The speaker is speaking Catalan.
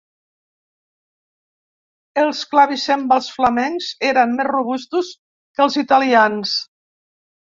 Els clavicèmbals flamencs eren més robustos que els italians.